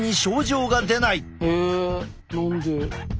え何で？